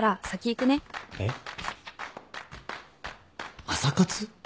えっ？朝活？